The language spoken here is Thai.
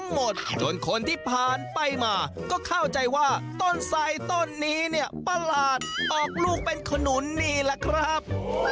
หมดจนคนที่ผ่านไปมาก็เข้าใจว่าต้นไสต้นนี้เนี่ยประหลาดออกลูกเป็นขนุนนี่แหละครับ